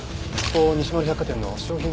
ここ西丸百貨店の商品